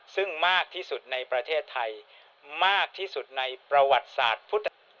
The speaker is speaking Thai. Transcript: ซึ่งมากที่สุดในประเทศไทยมากที่สุดในประวัติศาสตร์